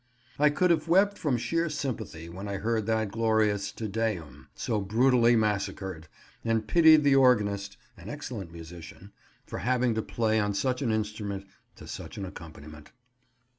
I could have wept from sheer sympathy when I heard that glorious "Te Deum" so brutally massacred, and pitied the organist—an excellent musician—for having to play on such an instrument to such an accompaniment.